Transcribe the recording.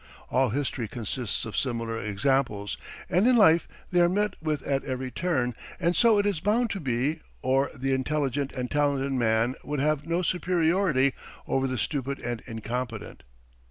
All history consists of similar examples, and in life they are met with at every turn; and so it is bound to be, or the intelligent and talented man would have no superiority over the stupid and incompetent.